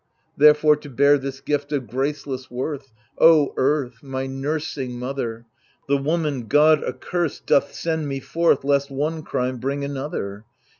Therefore to bear this gift of graceless worth — O Earth, my nursing mother !— The woman god accurs'd doth send me forth Lest one crime bring another.